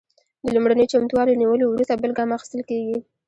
د لومړنیو چمتووالو له نیولو وروسته بل ګام اخیستل کیږي.